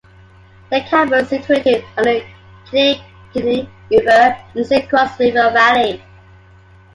The campus is situated on the Kinnickinnic River in the Saint Croix River Valley.